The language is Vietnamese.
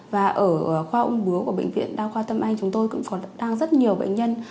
và ở khoa ung bứu của bệnh viện đa khoa tâm anh chúng tôi cũng đang rất nhiều bệnh nhân